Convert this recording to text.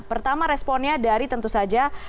pertama responnya dari tentu saja